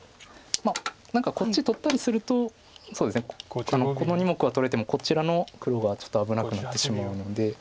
何かこっち取ったりするとこの２目は取れてもこちらの黒がちょっと危なくなってしまうので。